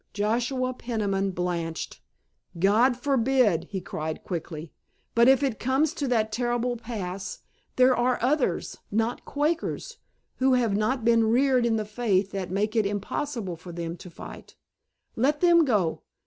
"' Joshua Peniman blanched. "God forbid," he cried quickly. "But if it comes to that terrible pass there are others—not Quakers—who have not been reared in the faith that makes it impossible for them to fight. Let them go.